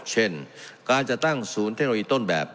เช่นการจัดตั้งศูนย์เทคโนโลยีต้นแบบ